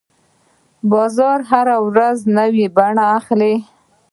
بازار هره ورځ نوې بڼه اخلي.